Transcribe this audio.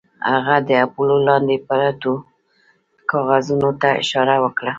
هغه د اپولو لاندې پرتو کاغذونو ته اشاره وکړه